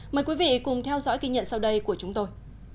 mời quý vị cùng theo dõi kỳ nhận sau đây của chúng tôi